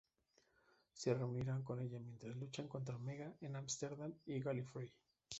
Se reunirán con ella mientras luchan contra Omega en Amsterdam y Gallifrey.